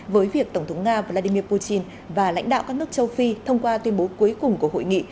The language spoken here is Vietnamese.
với việc tổng thống nga vladimir putin và lãnh đạo các nước châu phi thông qua tuyên bố cuối cùng của hội nghị